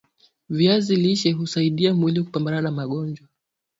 viazi lishe husaidia mwili kupambana na magojwa